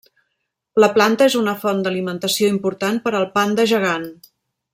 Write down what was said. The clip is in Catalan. La planta és una font d'alimentació important per al panda gegant.